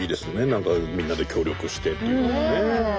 何かみんなで協力してっていうのはね。